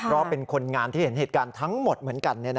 เพราะเป็นคนงานที่เห็นเหตุการณ์ทั้งหมดเหมือนกัน